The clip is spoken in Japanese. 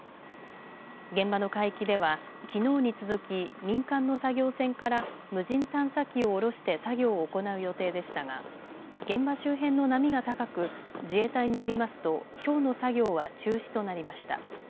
現場の海域ではきのうに続き民間の作業船から無人探査機を下ろして作業を行う予定でしたが現場周辺の波が高く自衛隊によりますときょうの作業は中止となりました。